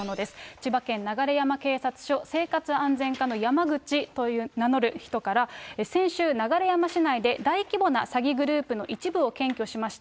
千葉県流山警察署生活安全課のヤマグチと名乗る人から、先週流山市内で大規模な詐欺グループの一部を検挙しました。